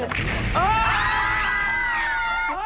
ああ！